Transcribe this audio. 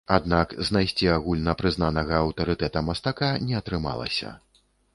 Аднак знайсці агульнапрызнанага аўтарытэта-мастака не атрымалася.